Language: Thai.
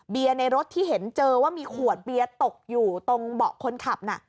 ในรถที่เห็นเจอว่ามีขวดเบียร์ตกอยู่ตรงเบาะคนขับน่ะ